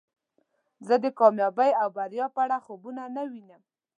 زه د کامیابۍ او بریا په اړه خوبونه نه وینم.